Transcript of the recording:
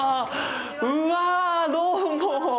うわぁ、どうも！